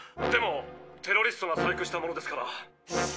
でもテロリストが細工したものですから。